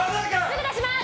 すぐ出します